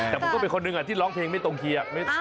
แต่ผมก็เป็นคนหนึ่งที่ร้องเพลงไม่ตรงเคลียร์